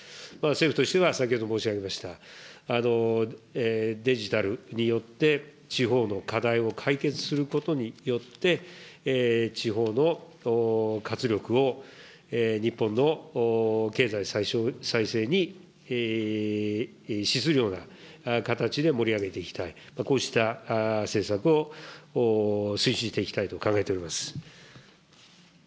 政府としては先ほど申し上げました、デジタルによって地方の課題を解決することによって、地方の活力を、日本の経済再生に資するような形で盛り上げていきたい、こうした政策を推進していきたいと考えております。